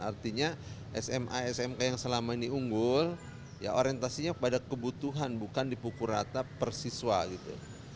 artinya sma smk yang selama ini unggul ya orientasinya pada kebutuhan bukan dipukul rata persiswa gitu